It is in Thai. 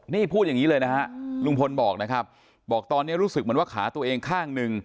นี่พูดอย่างนี้เลยนะฮะลุงพลบอกนะครับบอกตอนนี้รู้สึกเหมือนว่าขาตัวเองข้างหนึ่ง